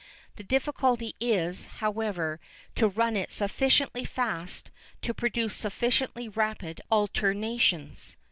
The difficulty is, however, to run it sufficiently fast to produce sufficiently rapid alternations.